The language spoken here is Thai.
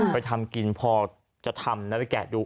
ไปทำกินพอจะทำนะไปแกะดู